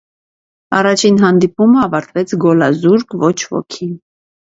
Առաջին հանդիպումը ավարտվեց գոլազուրկ ոչ ոքի։